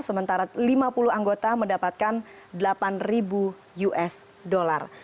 sementara lima puluh anggota mendapatkan delapan us dollar